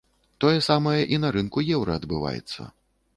Тое самае і на рынку еўра адбываецца.